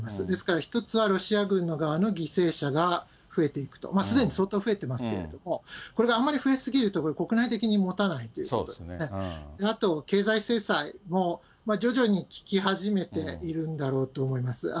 ですから、一つはロシア軍の側の犠牲者が増えていくと、すでに相当増えてますけれども、これがあんまり増え過ぎると、これ、国内的にもたないという、あと経済制裁も徐々に効き始めているんだろうと思います。